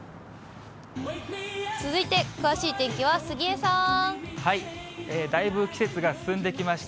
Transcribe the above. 続いて、詳しい天気は杉江さん。だいぶ季節が進んできました。